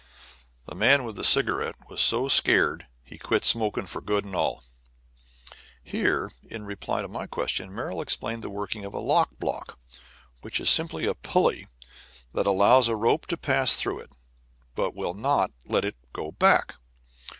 The man with the cigarette was so scared he quit smoking for good and all." Here, in reply to my question, Merrill explained the working of a lock block, which is simply a pulley that allows a rope to pass through it, but will not let it go back.